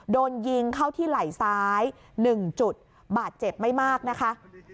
โดนยิงเข้าที่ไหล่ซ้าย๑จุดบาดเจ็บไม่มากนะคะ